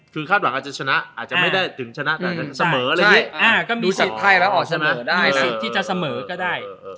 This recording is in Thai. คือคาดหวังอาจจะชนะอาจจะไม่ได้ถึงชนะแต่เสมออะไรอย่างเงี้ยดูสักทายแล้วอ่ะเสมอได้